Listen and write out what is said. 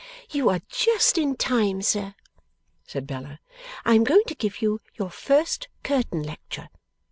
'You are just in time, sir,' said Bella; 'I am going to give you your first curtain lecture.